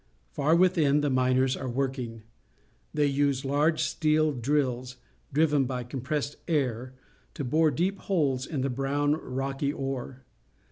Far within, the miners are working. They use large steel drills, driven by com pressed air, to bore deep holes in the brown, rocky ore.